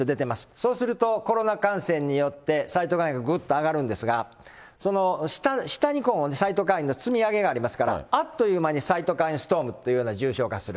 そうするとコロナ感染によってサイトカインがぐっと上がるんですが、その下にサイトカインの積み上げがありますから、あっという間にサイトカインストームというのが重症化する。